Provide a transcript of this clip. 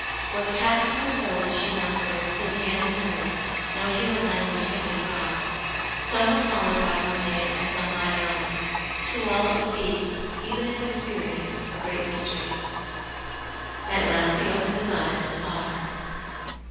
What passed in her soul as she knelt there with his hand in hers, no human language can describe. Some would call it by one name and some by another ; to all it would be, even if experienced, a great mystery. At last he opened his eyes, and saw her.